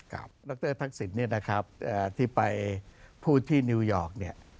ลักษณ์ทรักษิณที่ไปพูดที่นิวยอร์ก